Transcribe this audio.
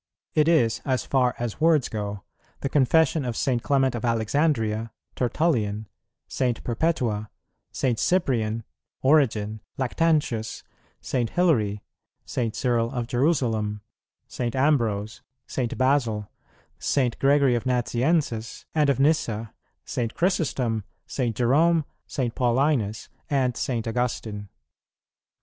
It is, as far as words go, the confession of St. Clement of Alexandria, Tertullian, St. Perpetua, St. Cyprian, Origen, Lactantius, St. Hilary, St. Cyril of Jerusalem, St. Ambrose, St. Basil, St. Gregory of Nazianzus, and of Nyssa, St. Chrysostom, St. Jerome, St. Paulinus, and St. Augustine.